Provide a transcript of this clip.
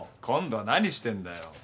今度は何してんだよ？